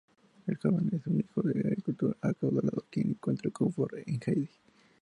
Él joven es hijo de un agricultor acaudalado quien encuentra confort en Heidi.